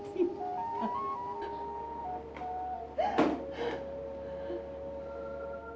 dia masih menjahatkan ibu itu seperti garis